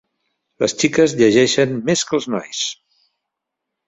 Les xiques llegeixen més que els nois.